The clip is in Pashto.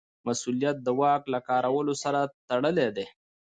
مسوولیت د واک له کارولو سره تړلی دی.